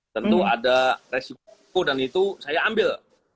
tentu ada resiko dan itu saya ambil